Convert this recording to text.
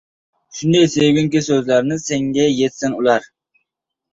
Shunday sevginki, so‘zlarni. Senga yetsin ular.